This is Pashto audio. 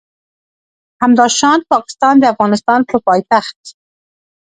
همداشان پاکستان د افغانستان په پایتخت